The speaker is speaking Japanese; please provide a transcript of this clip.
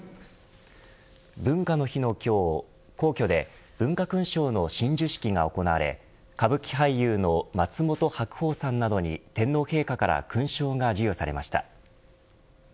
文化の日の今日皇居で文化勲章の親授式が行われ歌舞伎俳優の松本白鸚さんなどに天皇陛下から勲章が授与されました。